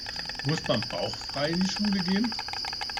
Muss man bauchfrei in die Schule gehen?